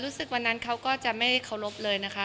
วันนั้นเขาก็จะไม่เคารพเลยนะคะ